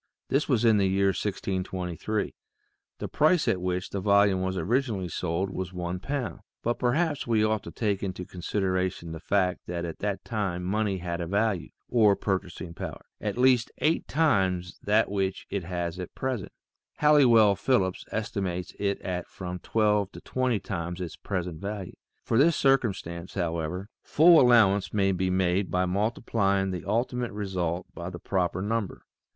This was in the year 1623. The price at which the volume was originally sold was one pound, but perhaps we ought to take into consideration the fact that at that time money had a value, or purchasing power, at least eight times that which it has at present ; Halliwell Phillips estimates it at from twelve to twenty times its present value. For this circumstance, however, full allowance may be made by multiplying the ultimate result by the proper number.